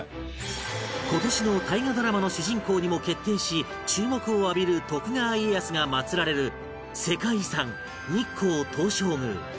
今年の大河ドラマの主人公にも決定し注目を浴びる徳川家康が祭られる世界遺産日光東照宮